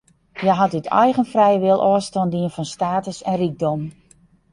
Hja hat út eigen frije wil ôfstân dien fan status en rykdom.